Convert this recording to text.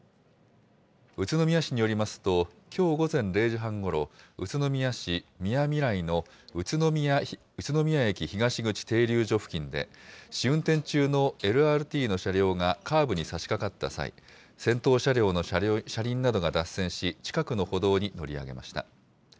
宇都宮市によりますと、きょう午前０時半ごろ、宇都宮市宮みらいの宇都宮駅東口停留所付近で、試運転中のＬＲＴの車両がカーブにさしかかった際、先頭車両の車輪などが脱線し、近くの歩道に乗り上げました。